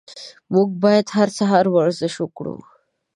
موږ باید هر سهار ورزش وکړو.